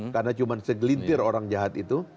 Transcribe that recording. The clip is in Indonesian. karena cuma segelintir orang jahat itu